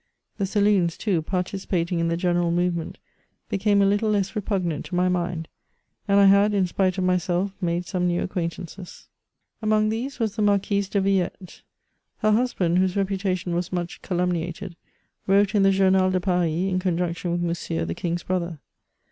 The saloons, too, participating in the general movement, became a little less repugnant to my mind, and I had, in spite of myself, made some new acquaintances. Among these was the Marquise de Villette. Her husband, whose reputation was much calumniated, wrote in the Journal de Parisy in conjunction with Monsieur^ the king's brother.